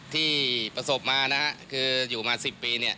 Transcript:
ที่ประสบมานะฮะคืออยู่มา๑๐ปี